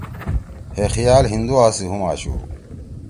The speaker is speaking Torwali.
ہے خیال ہندُوا سی ہُم آشُو